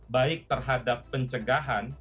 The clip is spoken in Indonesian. baik terhadap pencegahan